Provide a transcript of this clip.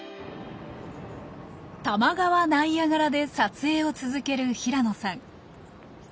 多摩川ナイアガラで撮影を続ける平野さん。